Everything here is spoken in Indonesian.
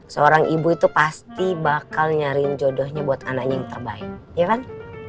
seorang ibu itu pasti bakal nyariin jodohnya buat anaknya yang terbaik ya kan